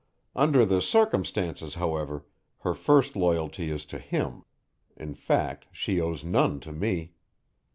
Under the circumstances, however, her first loyalty is to him; in fact, she owes none to me.